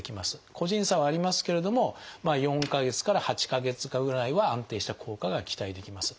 個人差はありますけれども４か月から８か月かぐらいは安定した効果が期待できます。